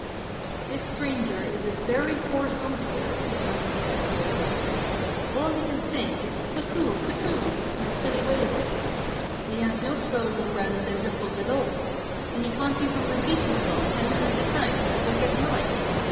"This stranger is a very poor songster!" Rusty said to his wife. "All he can sing is 'Cuckoo! cuckoo!' in that silly way of his. He has no trills and runs and ripples at all! And he can't even repeat his song ten times a minute, as I give mine.